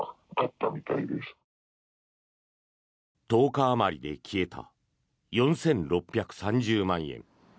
１０日あまりで消えた４６３０万円。